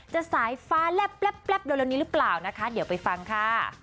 สายฟ้าแลบเร็วนี้หรือเปล่านะคะเดี๋ยวไปฟังค่ะ